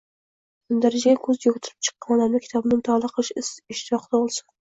mundarijaga ko‘z yugurtirib chiqqan odamda kitobni mutolaa qilish ishtiyoqi tug‘ilsin.